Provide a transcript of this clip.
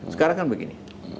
sekarang kan begini